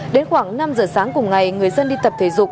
đến khoảng năm giờ sáng cùng ngày người dân đi tập thể dục